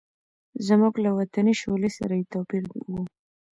زموږ له وطني شولې سره یې توپیر و.